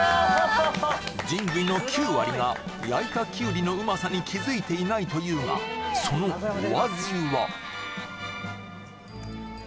人類の９割が焼いたキュウリのうまさに気づいていないというがそのお味は？